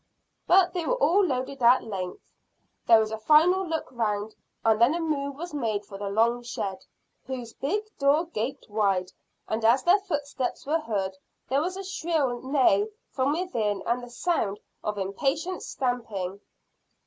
But they were all loaded at length, there was a final look round, and then a move was made for the long shed, whose big door gaped wide, and as their footsteps were heard there was a shrill neigh from within and the sound of impatient stamping.